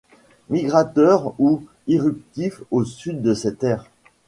Migrateur ou irruptif au sud de cette aire.